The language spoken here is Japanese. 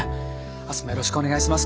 明日もよろしくお願いします。